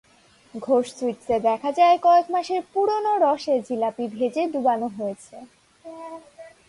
ঘোষ সুইটসে দেখা যায়, কয়েক মাসের পুরোনো রসে জিলাপি ভেজে ডুবানো রয়েছে।